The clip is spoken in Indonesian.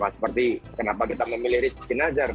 seperti kenapa kita memilih rizky nazar